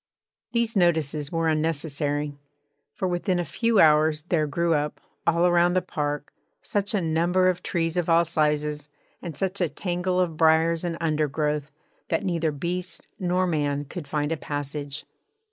These notices were unnecessary, for within a few hours there grew up, all around the park, such a number of trees of all sizes, and such a tangle of briars and undergrowth, that neither beast nor man could find a passage.